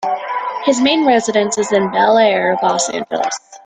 His main residence is in Bel Air, Los Angeles.